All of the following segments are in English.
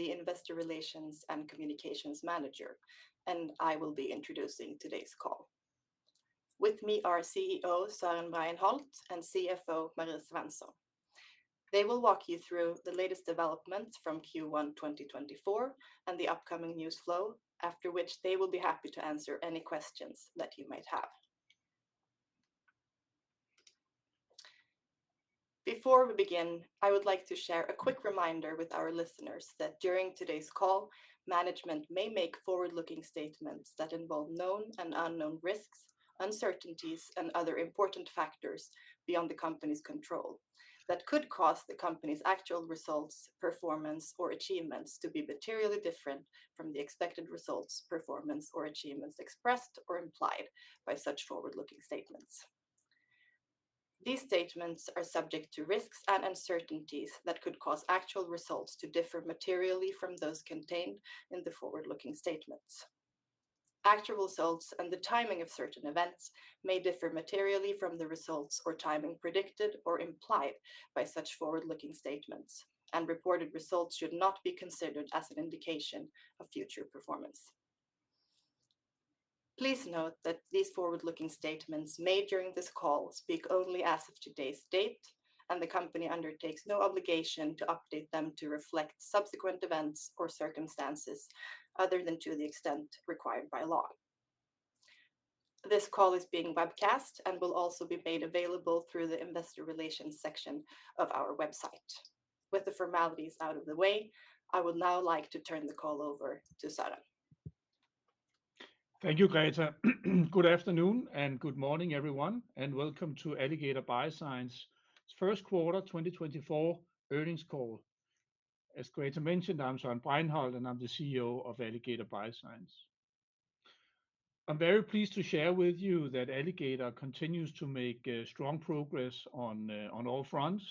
I am the Investor Relations and Communications Manager, and I will be introducing today's call. With me are CEO Søren Bregenholt and CFO Marie Svensson. They will walk you through the latest developments from Q1 2024 and the upcoming news flow, after which they will be happy to answer any questions that you might have. Before we begin, I would like to share a quick reminder with our listeners that during today's call, management may make forward-looking statements that involve known and unknown risks, uncertainties, and other important factors beyond the company's control, that could cause the company's actual results, performance, or achievements to be materially different from the expected results, performance, or achievements expressed or implied by such forward-looking statements. These statements are subject to risks and uncertainties that could cause actual results to differ materially from those contained in the forward-looking statements. Actual results and the timing of certain events may differ materially from the results or timing predicted or implied by such forward-looking statements, and reported results should not be considered as an indication of future performance. Please note that these forward-looking statements made during this call speak only as of today's date, and the company undertakes no obligation to update them to reflect subsequent events or circumstances other than to the extent required by law. This call is being webcast and will also be made available through the Investor Relations section of our website. With the formalities out of the way, I would now like to turn the call over to Søren. Thank you, Greta. Good afternoon and good morning, everyone, and welcome to Alligator Bioscience's first quarter 2024 earnings call. As Greta mentioned, I'm Søren Bregenholt, and I'm the CEO of Alligator Bioscience. I'm very pleased to share with you that Alligator continues to make strong progress on all fronts.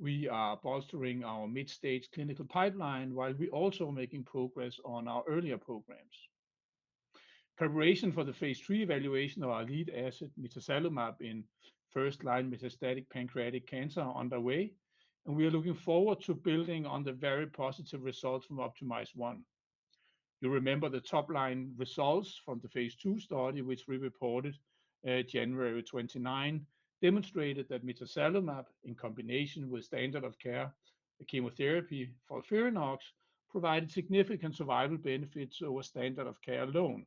We are bolstering our mid-stage clinical pipeline while we also making progress on our earlier programs. Preparation for the phase three evaluation of our lead asset, mitazalimab, in first-line metastatic pancreatic cancer are underway, and we are looking forward to building on the very positive results from OPTIMIZE-1. You remember the top-line results from the phase 2 study, which we reported January 29, demonstrated that mitazalimab, in combination with standard of care, the chemotherapy FOLFIRINOX, provided significant survival benefits over standard of care alone,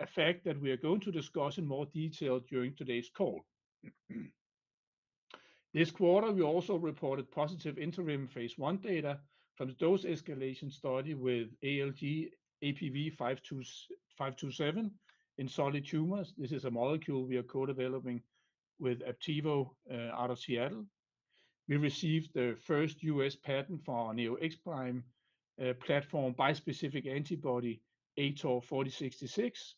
a fact that we are going to discuss in more detail during today's call. This quarter, we also reported positive interim phase 1 data from the dose-escalation study with ALG.APV-527 in solid tumors. This is a molecule we are co-developing with Aptivo out of Seattle. We received the first US patent for our Neo-X-Prime platform bispecific antibody, ATOR-4066,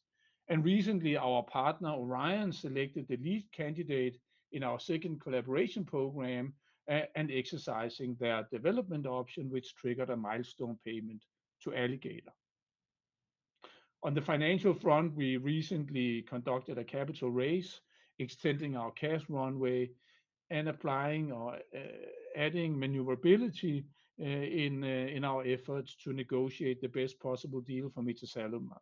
and recently, our partner, Orion, selected the lead candidate in our second collaboration program and exercising their development option, which triggered a milestone payment to Alligator. On the financial front, we recently conducted a capital raise, extending our cash runway and adding maneuverability in our efforts to negotiate the best possible deal for mitazalimab.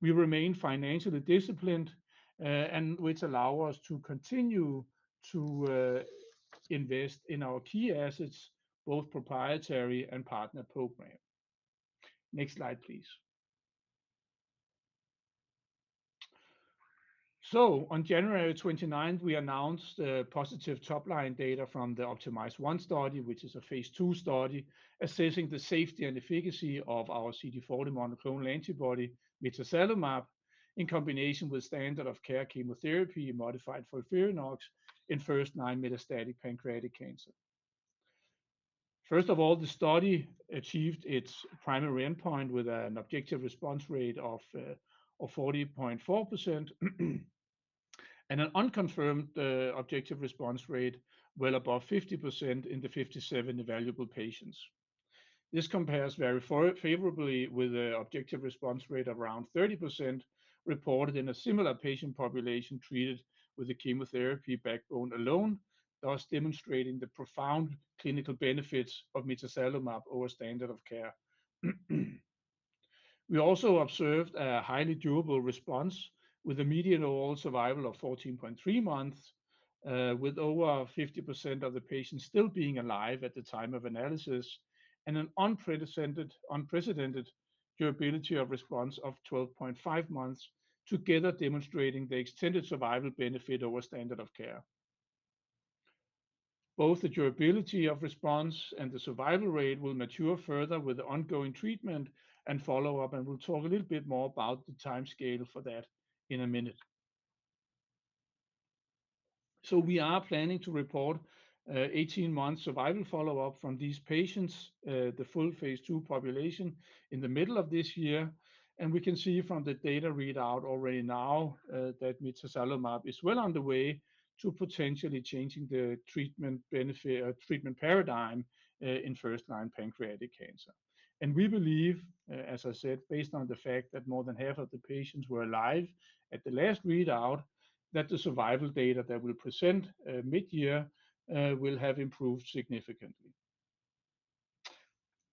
We remain financially disciplined, and which allow us to continue to invest in our key assets, both proprietary and partner program. Next slide, please. On January 29th, we announced positive top-line data from the OPTIMIZE-1 study, which is a phase 2 study, assessing the safety and efficacy of our CD40 monoclonal antibody, mitazalimab, in combination with standard of care chemotherapy, modified FOLFIRINOX, in first-line metastatic pancreatic cancer. First of all, the study achieved its primary endpoint with an objective response rate of 40.4%, and an unconfirmed objective response rate well above 50% in the 57 evaluable patients. This compares very favorably with an objective response rate around 30% reported in a similar patient population treated with a chemotherapy backbone alone, thus demonstrating the profound clinical benefits of mitazalimab over standard of care. We also observed a highly durable response with a median overall survival of 14.3 months, with over 50% of the patients still being alive at the time of analysis, and an unprecedented durability of response of 12.5 months, together demonstrating the extended survival benefit over standard of care. Both the durability of response and the survival rate will mature further with the ongoing treatment and follow-up, and we'll talk a little bit more about the timescale for that in a minute. We are planning to report 18-month survival follow-up from these patients, the full phase 2 population, in the middle of this year. We can see from the data readout already now that mitazalimab is well on the way to potentially changing the treatment benefit, treatment paradigm in first-line pancreatic cancer, and we believe, as I said, based on the fact that more than half of the patients were alive at the last readout, that the survival data that we'll present mid-year will have improved significantly.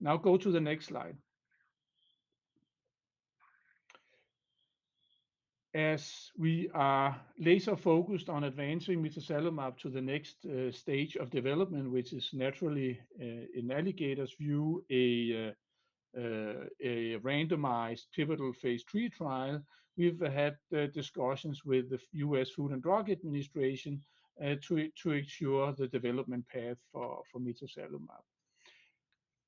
Now go to the next slide. As we are laser-focused on advancing mitazalimab to the next stage of development, which is naturally in Alligator's view a randomized pivotal phase 3 trial, we've had discussions with the US Food and Drug Administration to ensure the development path for mitazalimab.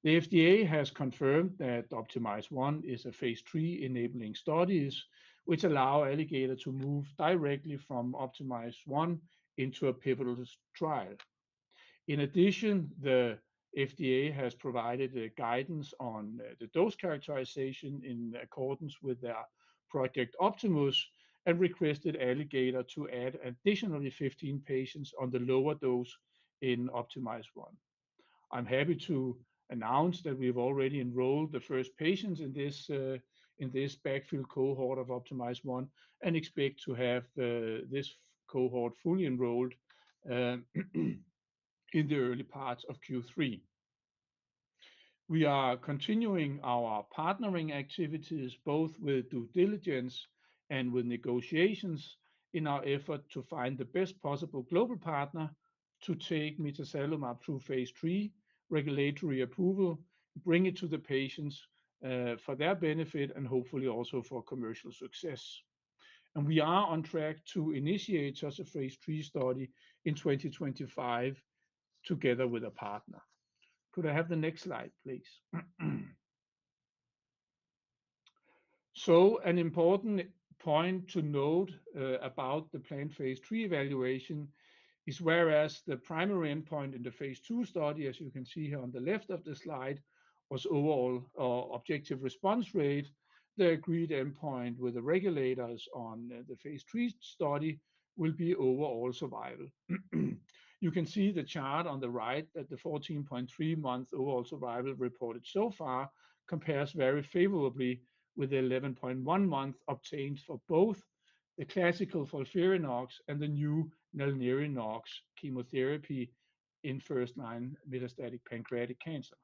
The FDA has confirmed that OPTIMIZE-1 is a phase 3-enabling studies, which allow Alligator to move directly from OPTIMIZE-1 into a pivotal trial. In addition, the FDA has provided a guidance on the dose characterization in accordance with their Project Optimus and requested Alligator to add additionally 15 patients on the lower dose in OPTIMIZE-1. I'm happy to announce that we've already enrolled the first patients in this backfill cohort of OPTIMIZE-1, and expect to have this cohort fully enrolled in the early parts of Q3. We are continuing our partnering activities, both with due diligence and with negotiations, in our effort to find the best possible global partner to take mitazalimab through phase III regulatory approval, bring it to the patients for their benefit and hopefully also for commercial success. We are on track to initiate such a phase III study in 2025, together with a partner. Could I have the next slide, please? So an important point to note, about the planned phase 3 evaluation is, whereas the primary endpoint in the phase 2 study, as you can see here on the left of the slide, was overall, objective response rate, the agreed endpoint with the regulators on, the phase 3 study will be overall survival. You can see the chart on the right that the 14.3-month overall survival reported so far compares very favorably with the 11.1 month obtained for both the classical FOLFIRINOX and the new NALIRIFOX chemotherapy in first-line metastatic pancreatic cancer.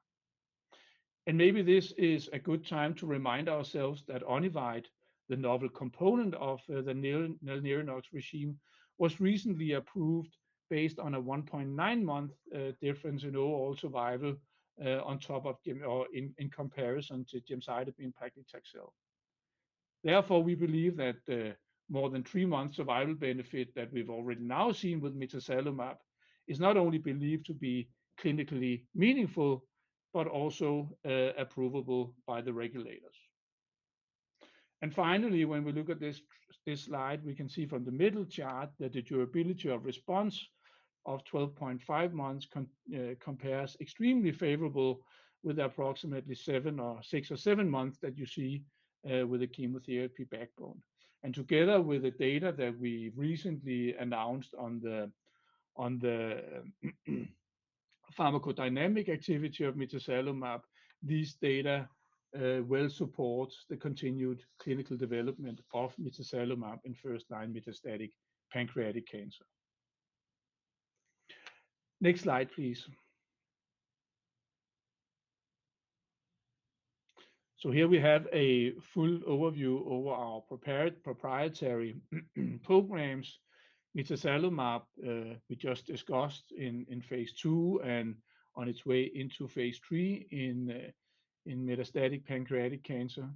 And maybe this is a good time to remind ourselves that Onivyde, the novel component of, the NALIRIFOX regimen, was recently approved based on a 1.9-month, difference in overall survival, on top of gem or in, in comparison to gemcitabine plus nab-paclitaxel. Therefore, we believe that, more than three months survival benefit that we've already now seen with mitazalimab is not only believed to be clinically meaningful, but also, approvable by the regulators. And finally, when we look at this, this slide, we can see from the middle chart that the durability of response of 12.5 months compares extremely favorable with approximately seven or six or seven months that you see, with a chemotherapy backbone. And together with the data that we recently announced on the pharmacodynamic activity of mitazalimab, these data will support the continued clinical development of mitazalimab in first-line metastatic pancreatic cancer. Next slide, please. So here we have a full overview over our prepared proprietary programs. Mitazalimab, we just discussed in phase II and on its way into phase III in metastatic pancreatic cancer.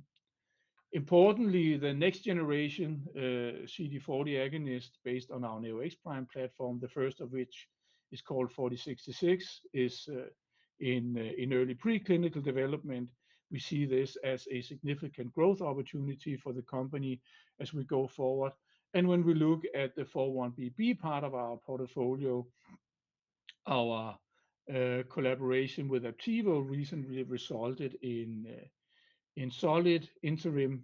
Importantly, the next generation CD40 agonist based on our Neo-X-Prime platform, the first of which is called ATOR-4066, is in early preclinical development. We see this as a significant growth opportunity for the company as we go forward. When we look at the 4-1BB part of our portfolio, our collaboration with Aptivo recently resulted in solid interim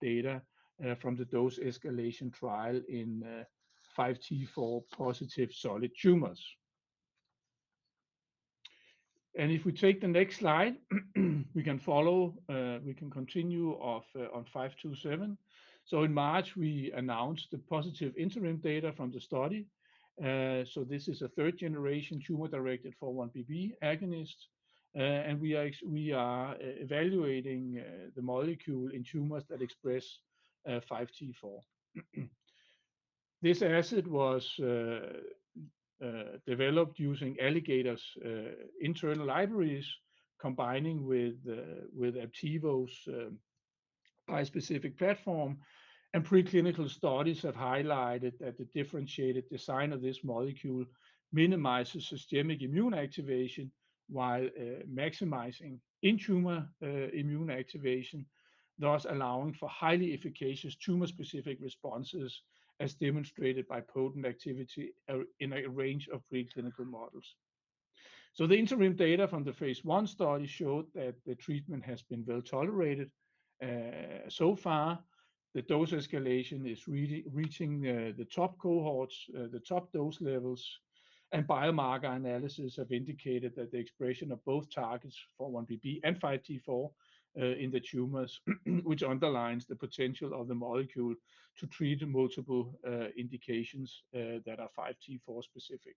data from the dose-escalation trial in 5T4-positive solid tumors. If we take the next slide, we can continue on ALG.APV-527. So in March, we announced the positive interim data from the study. This is a third-generation tumor-directed 4-1BB agonist, and we are evaluating the molecule in tumors that express 5T4. This asset was developed using Alligator's internal libraries, combining with the, with Aptivo's bispecific platform. Preclinical studies have highlighted that the differentiated design of this molecule minimizes systemic immune activation while maximizing intra-tumor immune activation, thus allowing for highly efficacious tumor-specific responses, as demonstrated by potent activity in a range of preclinical models. The interim data from the phase I study showed that the treatment has been well tolerated. So far, the dose escalation is really reaching the top cohorts, the top dose levels, and biomarker analysis have indicated that the expression of both targets for 4-1BB and 5T4 in the tumors, which underlines the potential of the molecule to treat multiple indications that are 5T4 specific.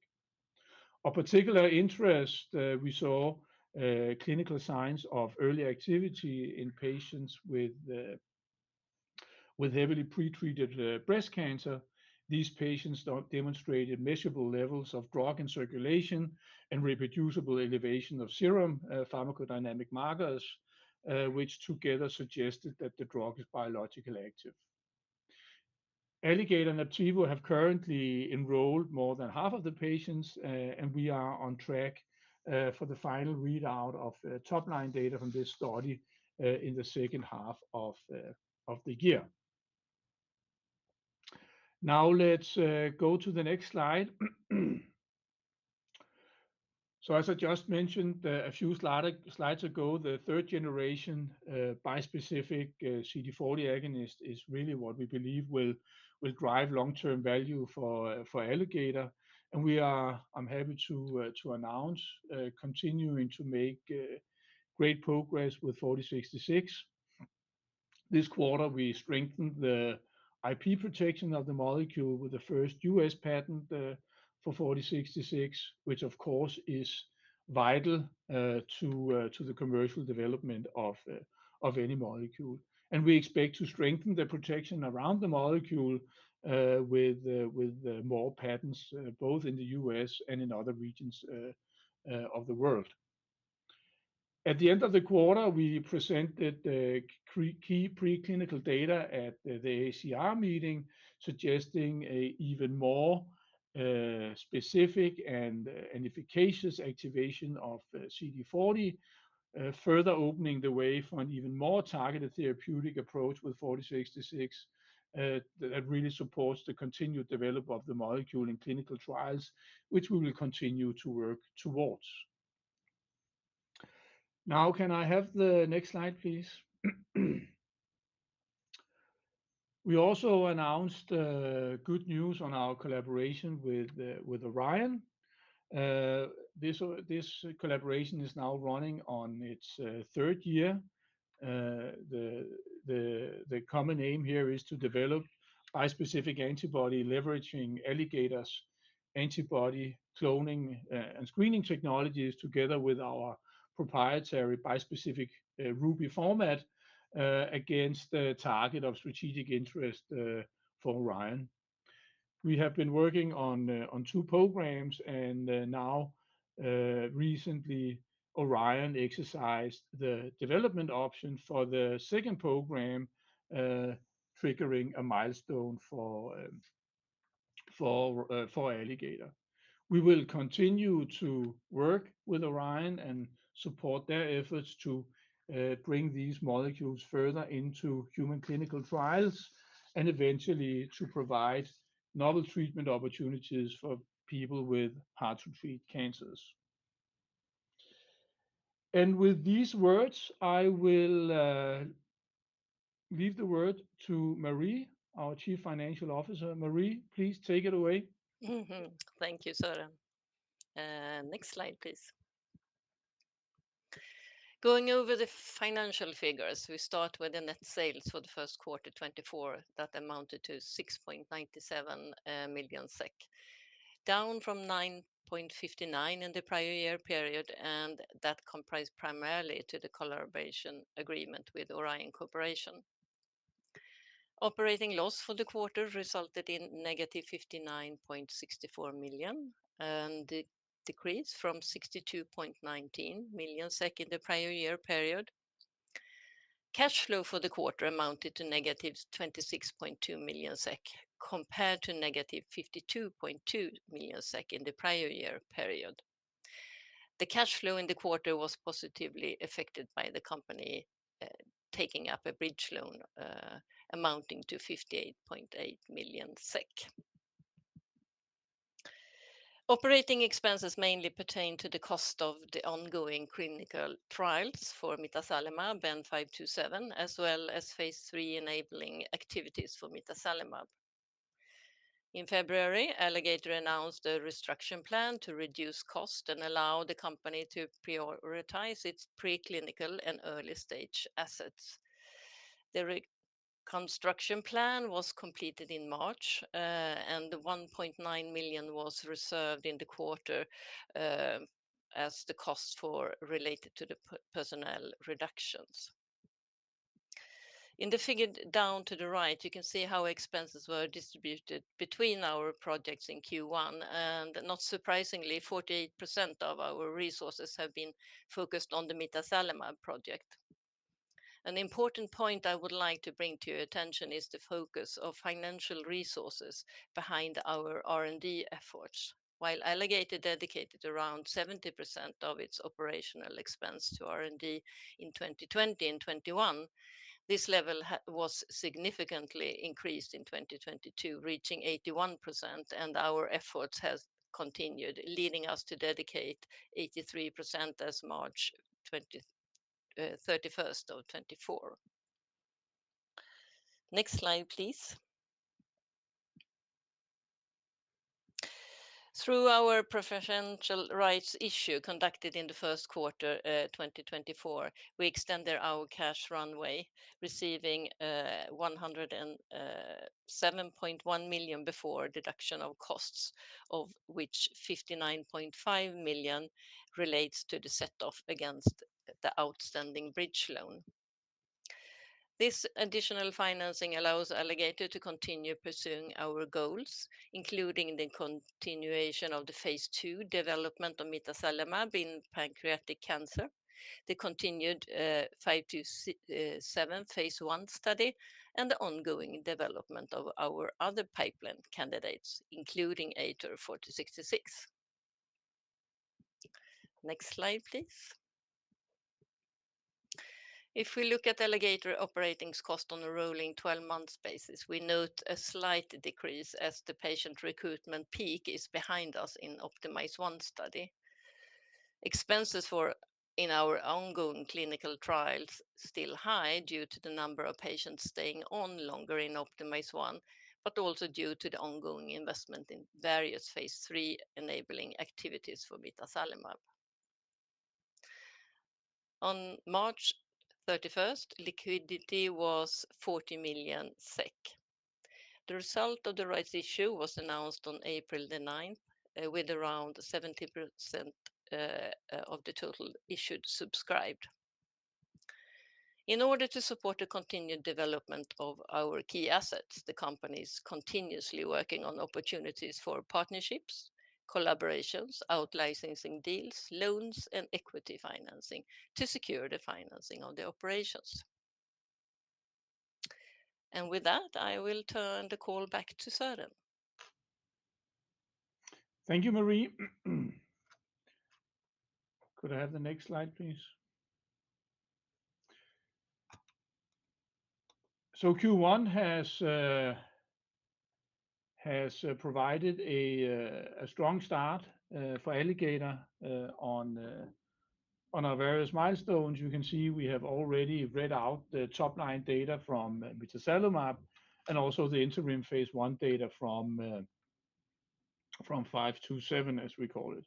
Of particular interest, we saw clinical signs of early activity in patients with heavily pretreated breast cancer. These patients didn't demonstrate measurable levels of drug in circulation and reproducible elevation of serum pharmacodynamic markers, which together suggested that the drug is biologically active. Alligator and Aptevo have currently enrolled more than half of the patients, and we are on track for the final readout of top-line data from this study in the second half of the year. Now, let's go to the next slide. So as I just mentioned a few slides ago, the third generation bispecific CD40 agonist is really what we believe will drive long-term value for Alligator. And we are, I'm happy to announce continuing to make great progress with ATOR-4066. This quarter, we strengthened the IP protection of the molecule with the first US patent for ATOR-4066, which of course, is vital to the commercial development of any molecule. And we expect to strengthen the protection around the molecule with more patents both in the US and in other regions of the world. At the end of the quarter, we presented the key preclinical data at the AACR meeting, suggesting a even more specific and efficacious activation of CD40, further opening the way for an even more targeted therapeutic approach with ATOR-4066. That really supports the continued development of the molecule in clinical trials, which we will continue to work towards. Now, can I have the next slide, please? We also announced good news on our collaboration with Orion. This collaboration is now running on its third year. The common aim here is to develop a bispecific antibody, leveraging Alligator's antibody cloning and screening technologies together with our proprietary bispecific Ruby format against a target of strategic interest for Orion. We have been working on two programs, and now recently, Orion exercised the development option for the second program, triggering a milestone for Alligator. We will continue to work with Orion and support their efforts to bring these molecules further into human clinical trials, and eventually to provide novel treatment opportunities for people with hard-to-treat cancers. With these words, I will leave the word to Marie, our Chief Financial Officer. Marie, please take it away. Thank you, Søren. Next slide, please. Going over the financial figures, we start with the net sales for the first quarter 2024. That amounted to 6.97 million SEK, down from 9.59 million in the prior year period, and that comprised primarily to the collaboration agreement with Orion Corporation. Operating loss for the quarter resulted in negative 59.64 million, and it decreased from 62.19 million SEK in the prior year period. Cash flow for the quarter amounted to -26.2 million SEK, compared to -52.2 million SEK in the prior year period. The cash flow in the quarter was positively affected by the company taking up a bridge loan amounting to SEK 58.8 million. Operating expenses mainly pertain to the cost of the ongoing clinical trials for mitazalimab, ALG.APV-527, as well as phase 3 enabling activities for mitazalimab. In February, Alligator announced a restructuring plan to reduce cost and allow the company to prioritize its preclinical and early-stage assets. The restructuring plan was completed in March, and 1.9 million was reserved in the quarter, as the cost related to the personnel reductions. In the figure down to the right, you can see how expenses were distributed between our projects in Q1, and not surprisingly, 48% of our resources have been focused on the mitazalimab project. An important point I would like to bring to your attention is the focus of financial resources behind our R&D efforts. While Alligator dedicated around 70% of its operational expense to R&D in 2020 and 2021, this level was significantly increased in 2022, reaching 81%, and our efforts has continued, leading us to dedicate 83% as of March 31, 2024. Next slide, please. Through our preferential rights issue conducted in the first quarter 2024, we extended our cash runway, receiving 107.1 million before deduction of costs, of which 59.5 million relates to the set-off against the outstanding bridge loan. This additional financing allows Alligator to continue pursuing our goals, including the continuation of the phase 2 development of mitazalimab in pancreatic cancer, the continued ALG.APV-527 phase 1 study, and the ongoing development of our other pipeline candidates, including ATOR-4066. Next slide, please. If we look at Alligator operating cost on a rolling twelve-month basis, we note a slight decrease as the patient recruitment peak is behind us in OPTIMIZE-1 study. Expenses in our ongoing clinical trials still high due to the number of patients staying on longer in OPTIMIZE-1, but also due to the ongoing investment in various phase 3 enabling activities for mitazalimab. On March 31st, liquidity was 40 million SEK. The result of the rights issue was announced on April 9, with around 70% of the total issued subscribed. In order to support the continued development of our key assets, the company is continuously working on opportunities for partnerships, collaborations, out-licensing deals, loans, and equity financing to secure the financing of the operations. And with that, I will turn the call back to Søren. Thank you, Marie. Could I have the next slide, please? So Q1 has provided a strong start for Alligator on our various milestones. You can see we have already read out the top-line data from mitazalimab, and also the interim phase 1 data from five-two-seven, as we call it.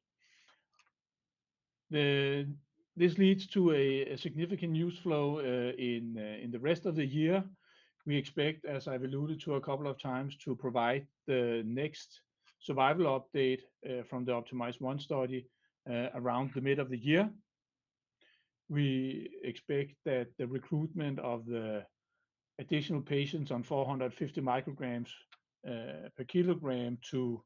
This leads to a significant news flow in the rest of the year. We expect, as I've alluded to a couple of times, to provide the next survival update from the OPTIMIZE-1 study around the mid of the year. We expect that the recruitment of the additional patients on 450 micrograms per kilogram to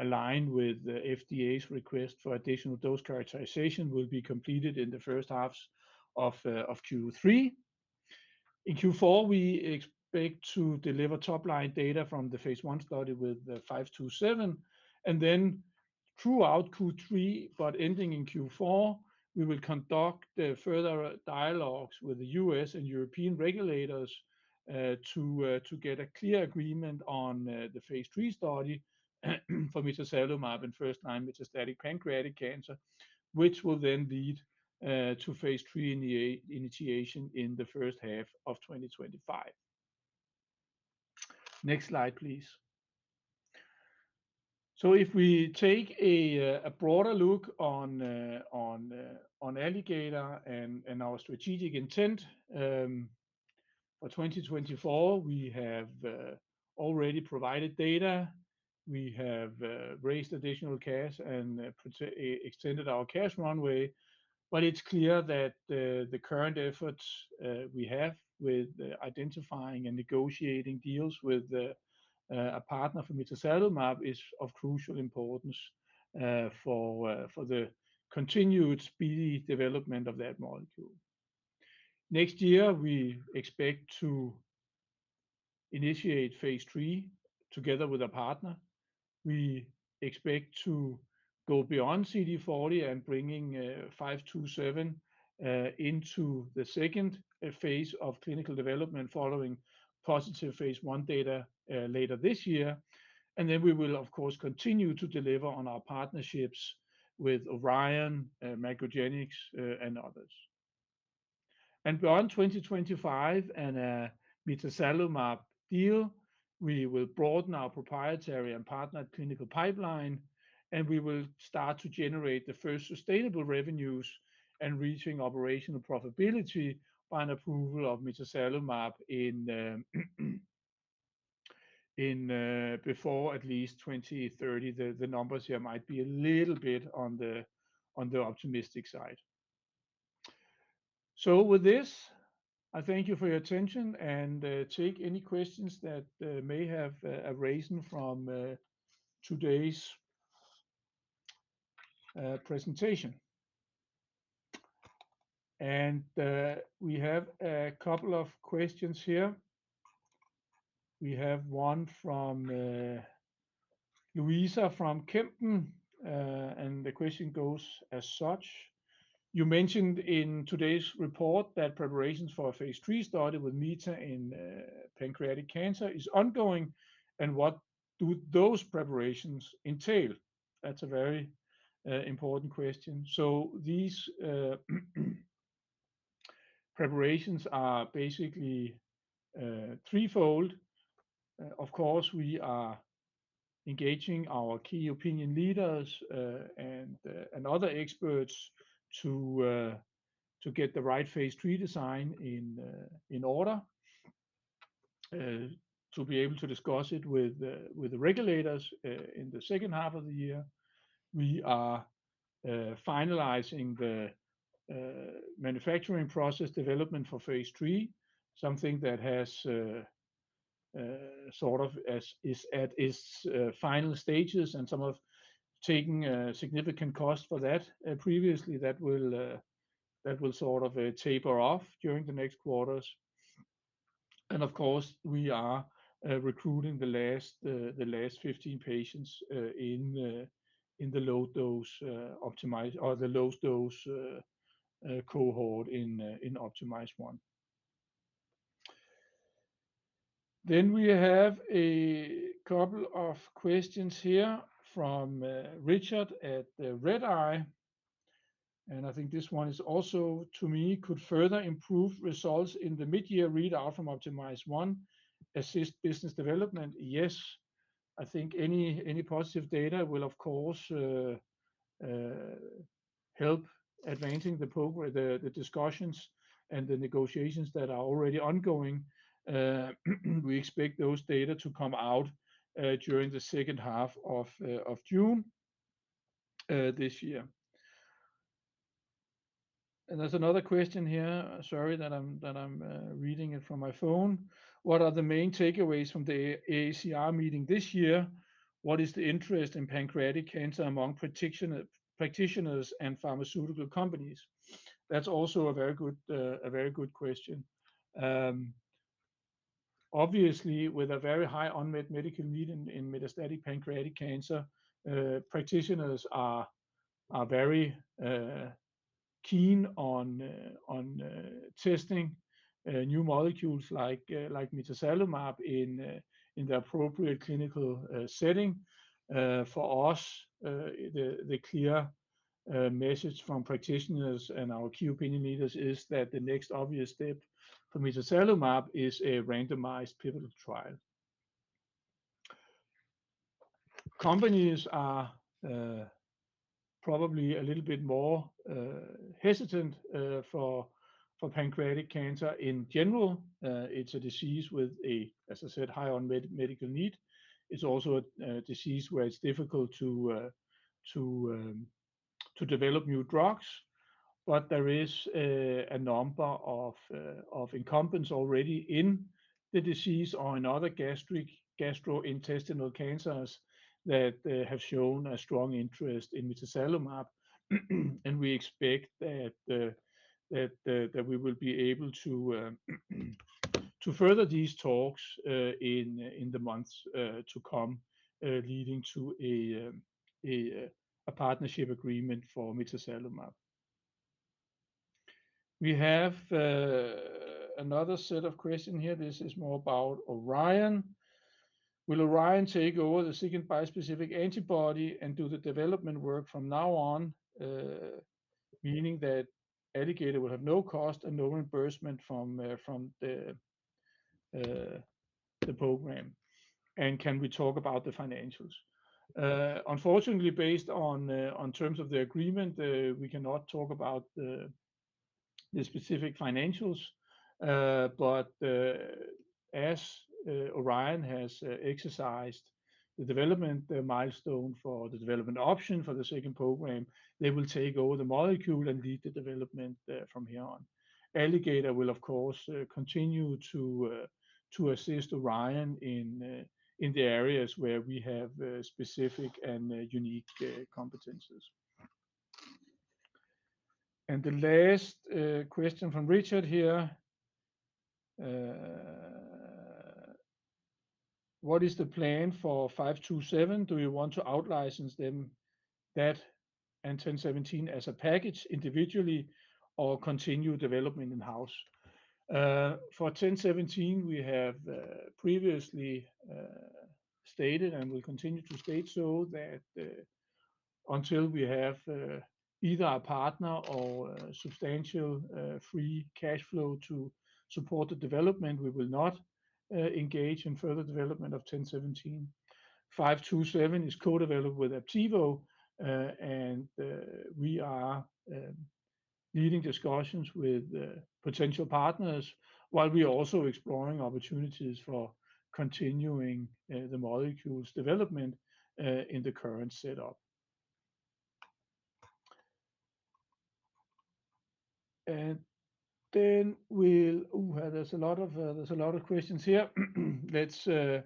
align with the FDA's request for additional dose characterization, will be completed in the first half of Q3. In Q4, we expect to deliver top-line data from the phase 1 study with ALG.APV-527, and then throughout Q3, but ending in Q4, we will conduct the further dialogues with the US and European regulators to get a clear agreement on the phase 3 study for mitazalimab in first-line metastatic pancreatic cancer, which will then lead to phase 3 initiation in the first half of 2025. Next slide, please. So if we take a broader look on Alligator and our strategic intent for 2024, we have already provided data. We have raised additional cash and extended our cash runway. But it's clear that the current efforts we have with identifying and negotiating deals with a partner for mitazalimab is of crucial importance for the continued speedy development of that molecule. Next year, we expect to initiate phase 3 together with a partner. We expect to go beyond CD40 and bringing 527 into the second phase of clinical development, following positive phase 1 data later this year. And then we will, of course, continue to deliver on our partnerships with Orion, MacroGenics, and others. And beyond 2025 and mitazalimab deal, we will broaden our proprietary and partnered clinical pipeline, and we will start to generate the first sustainable revenues and reaching operational profitability on approval of mitazalimab in before at least 2030. The numbers here might be a little bit on the optimistic side. So with this, I thank you for your attention and take any questions that may have arisen from today's presentation. And we have a couple of questions here. We have one from Louisa from Kempen, and the question goes as such: You mentioned in today's report that preparations for a phase 3 study with mitazalimab in pancreatic cancer is ongoing, and what do those preparations entail? That's a very important question. So these preparations are basically threefold. Of course, we are engaging our key opinion leaders and other experts to get the right phase 3 design in order to be able to discuss it with the regulators. In the second half of the year, we are finalizing the manufacturing process development for phase 3, something that is at its final stages and has taken a significant cost for that previously, that will sort of taper off during the next quarters. And of course, we are recruiting the last 15 patients in the low-dose optimized cohort in OPTIMIZE-1. Then we have a couple of questions here from Richard at the Redeye, and I think this one is also to me: could further improve results in the mid-year readout from OPTIMIZE-1 assist business development? Yes. I think any positive data will, of course, help advancing the discussions and the negotiations that are already ongoing. We expect those data to come out during the second half of June this year. And there's another question here, sorry, that I'm reading it from my phone. What are the main takeaways from the AACR meeting this year? What is the interest in pancreatic cancer among practitioners and pharmaceutical companies? That's also a very good question. Obviously, with a very high unmet medical need in metastatic pancreatic cancer, practitioners are very keen on testing new molecules like mitazalimab in the appropriate clinical setting. For us, the clear message from practitioners and our key opinion leaders is that the next obvious step for mitazalimab is a randomized pivotal trial. Companies are probably a little bit more hesitant for pancreatic cancer in general. It's a disease with a, as I said, high unmet medical need. It's also a disease where it's difficult to develop new drugs, but there is a number of incumbents already in the disease or in other gastric, gastrointestinal cancers that have shown a strong interest in mitazalimab. And we expect that we will be able to further these talks in the months to come, leading to a partnership agreement for mitazalimab. We have another set of question here. This is more about Orion. Will Orion take over the second bispecific antibody and do the development work from now on, meaning that Alligator will have no cost and no reimbursement from the program? And can we talk about the financials? Unfortunately, based on terms of the agreement, we cannot talk about the specific financials. But as Orion has exercised the development milestone for the development option for the second program, they will take over the molecule and lead the development from here on. Alligator will, of course, continue to assist Orion in the areas where we have specific and unique competencies. And the last question from Richard here: What is the plan for 527? Do you want to out-license them - that and 1017 as a package individually or continue development in-house? For 1017, we have previously stated, and we continue to state so, that until we have either a partner or substantial free cash flow to support the development, we will not engage in further development of 1017. 527 is co-developed with Aptivo, and we are leading discussions with potential partners while we are also exploring opportunities for continuing the molecule's development in the current setup. And then we'll... Ooh, there's a lot of, there's a lot of questions here. Let's stay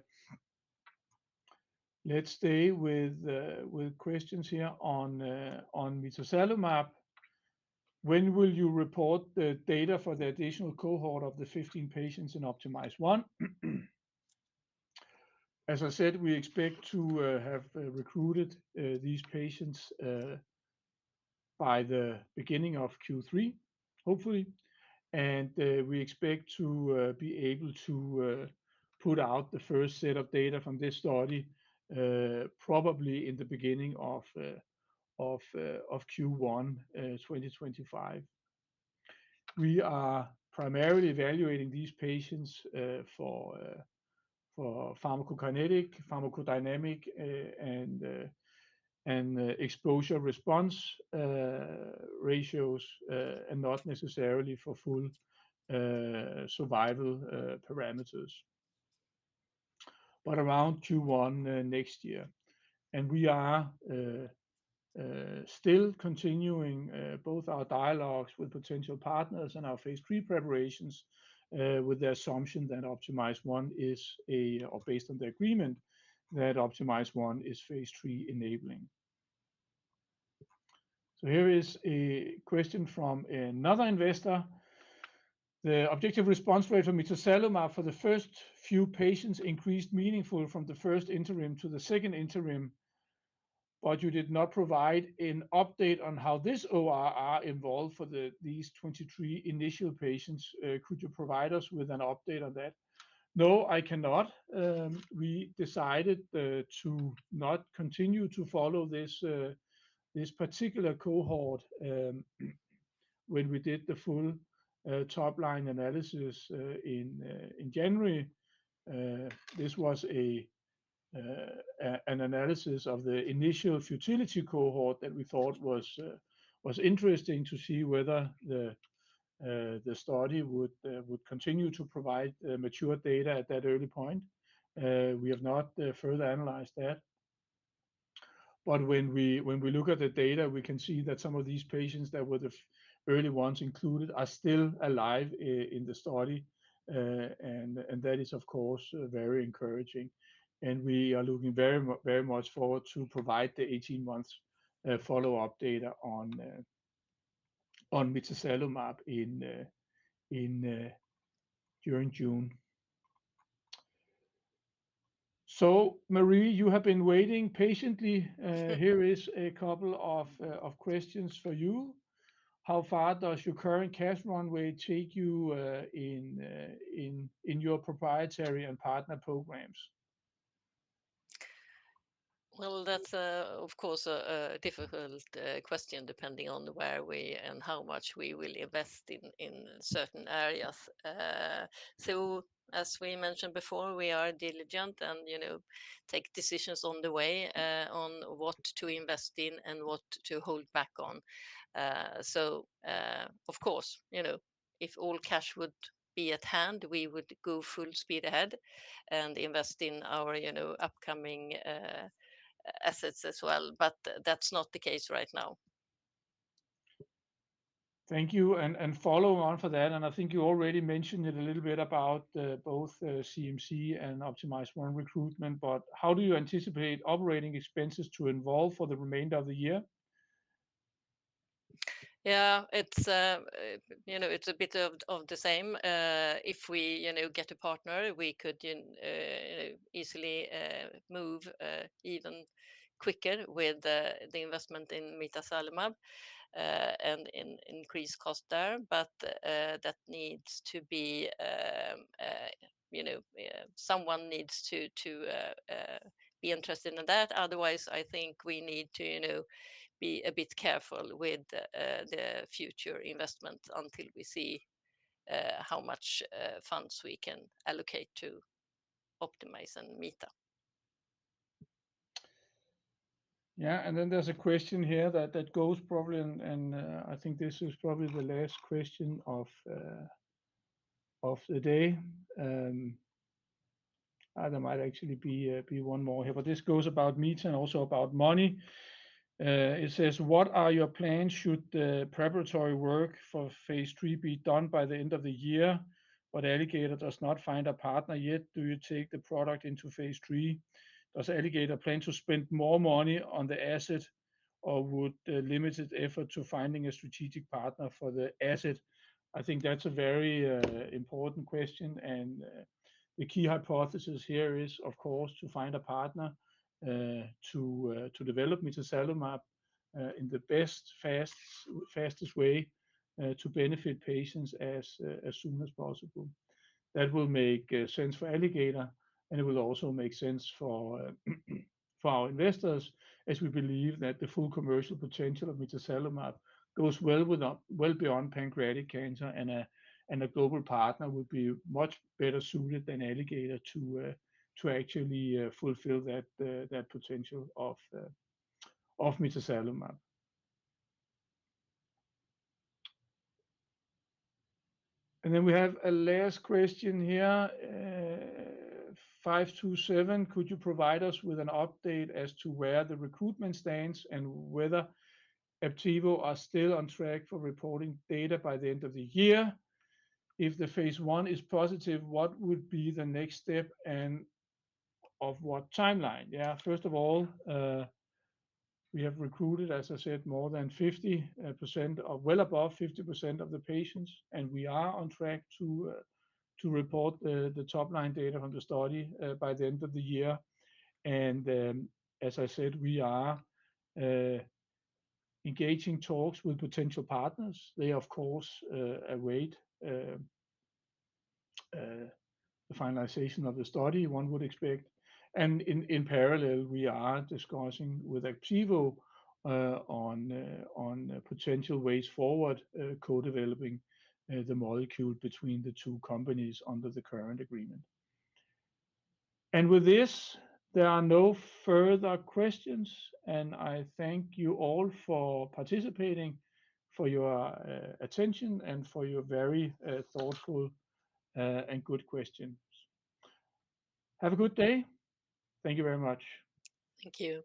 with questions here on mitazalimab. When will you report the data for the additional cohort of the 15 patients in OPTIMIZE-1? As I said, we expect to have recruited these patients by the beginning of Q3, hopefully. And we expect to be able to put out the first set of data from this study, probably in the beginning of June of Q1 2025. We are primarily evaluating these patients for pharmacokinetic, pharmacodynamic, and exposure response ratios, and not necessarily for full survival parameters. But around Q1 next year, and we are still continuing both our dialogues with potential partners and our phase 3 preparations, with the assumption that OPTIMIZE-1 is a, or based on the agreement, that OPTIMIZE-1 is phase 3 enabling. So here is a question from another investor. The objective response rate for mitazalimab for the first few patients increased meaningfully from the first interim to the second interim, but you did not provide an update on how this ORR evolved for these 23 initial patients. Could you provide us with an update on that? No, I cannot. We decided to not continue to follow this particular cohort when we did the full top-line analysis in January. This was an analysis of the initial futility cohort that we thought was interesting to see whether the study would continue to provide mature data at that early point. We have not further analyzed that. But when we look at the data, we can see that some of these patients that were the early ones included are still alive in the study. And that is, of course, very encouraging, and we are looking very much forward to provide the 18 months follow-up data on mitazalimab during June. So, Marie, you have been waiting patiently. Here is a couple of questions for you. How far does your current cash runway take you in your proprietary and partner programs? Well, that's of course a difficult question, depending on where we and how much we will invest in certain areas. So as we mentioned before, we are diligent and, you know, take decisions on the way, on what to invest in and what to hold back on. So, of course, you know, if all cash would be at hand, we would go full speed ahead and invest in our, you know, upcoming assets as well, but that's not the case right now. Thank you, and following on from that, and I think you already mentioned it a little bit about both CMC and OPTIMIZE-1 recruitment, but how do you anticipate operating expenses to evolve for the remainder of the year? Yeah, it's, you know, it's a bit of, of the same. If we, you know, get a partner, we could, easily, move, even quicker with the, the investment in mitazalimab, and in increased cost there. But, that needs to be... You know, someone needs to, to, be interested in that. Otherwise, I think we need to, you know, be a bit careful with the, the future investment until we see, how much, funds we can allocate to OPTIMIZE-1 on mitazalimab. Yeah, and then there's a question here that goes probably, and I think this is probably the last question of the day. There might actually be one more here, but this goes about mitazalimab and also about money. It says: What are your plans should the preparatory work for phase 3 be done by the end of the year, but Alligator does not find a partner yet? Do you take the product into phase 3? Does Alligator plan to spend more money on the asset, or would the limited effort to finding a strategic partner for the asset? I think that's a very important question, and the key hypothesis here is, of course, to find a partner to develop mitazalimab in the best, fastest way to benefit patients as soon as possible. That will make sense for Alligator, and it will also make sense for our investors, as we believe that the full commercial potential of mitazalimab goes well beyond pancreatic cancer, and a global partner would be much better suited than Alligator to actually fulfill that potential of mitazalimab. And then we have a last question here, five two seven: Could you provide us with an update as to where the recruitment stands and whether Aptivo are still on track for reporting data by the end of the year? If the phase one is positive, what would be the next step, and of what timeline? Yeah, first of all, we have recruited, as I said, more than 50%, or well above 50% of the patients, and we are on track to report the top-line data on the study by the end of the year. As I said, we are engaging talks with potential partners. They, of course, await the finalization of the study, one would expect. And in parallel, we are discussing with Aptivo on potential ways forward, co-developing the molecule between the two companies under the current agreement. And with this, there are no further questions, and I thank you all for participating, for your attention, and for your very thoughtful and good questions. Have a good day. Thank you very much. Thank you.